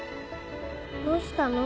どうしたの？